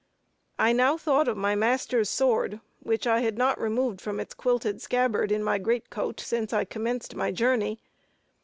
I now thought of my master's sword, which I had not removed from its quilted scabbard, in my great coat, since I commenced my journey.